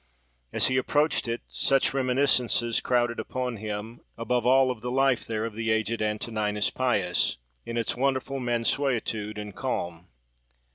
As he approached it, such reminiscences crowded upon him, above all of the life there of the aged Antoninus Pius, in its wonderful mansuetude and calm.